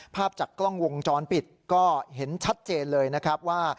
ภาพจากกล้องวงจรปิดก็เห็นชัดเจนเลยนะครับว่า